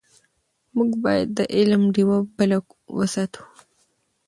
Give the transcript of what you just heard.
موږ باید د علم ډېوه بله وساتو.